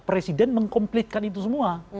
presiden mengkomplitkan itu semua